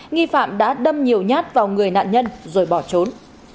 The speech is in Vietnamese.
nghi phạm đã đâm nhiều nhát vào người nạn nhân rồi bỏ trốn